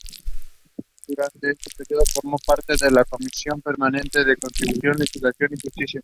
Durante este período, formó parte de la comisión permanente de Constitución, Legislación y Justicia.